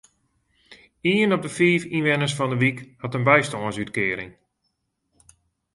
Ien op de fiif ynwenners fan de wyk hat in bystânsútkearing.